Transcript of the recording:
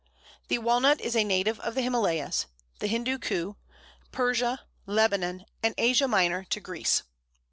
The Walnut is a native of the Himalayas, the Hindu Kuh, Persia, Lebanon, and Asia Minor to Greece.